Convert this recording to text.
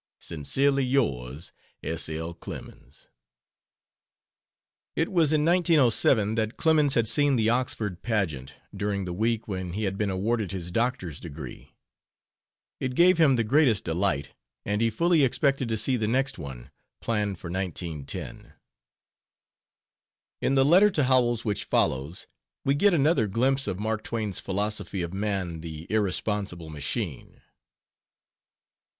Sincerely yours, S. L. CLEMENS. It was in 1907 that Clemens had seen the Oxford Pageant during the week when he had been awarded his doctor's degree. It gave him the greatest delight, and he fully expected to see the next one, planned for 1910. In the letter to Howells which follows we get another glimpse of Mark Twain's philosophy of man, the irresponsible machine.